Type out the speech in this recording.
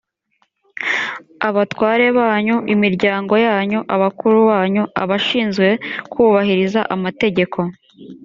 abatware banyu, imiryango yanyu, abakuru banyu, abashinzwe kubahiriza amategeko,